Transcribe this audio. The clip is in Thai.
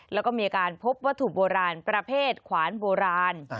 แล้วก็มีการพบวัตถุโบราณประเภทขวานโบราณ